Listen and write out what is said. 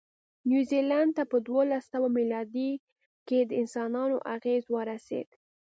نیوزیلند ته په دوولسسوه مېلادي کې د انسانانو اغېز ورسېد.